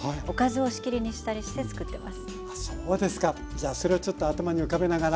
じゃあそれをちょっと頭に浮かべながら。